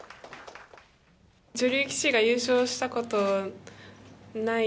女流棋士が優勝したことない